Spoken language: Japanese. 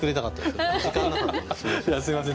すみません